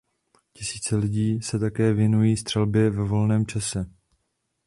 Tisíce lidí se také věnují střelbě ve volném čase.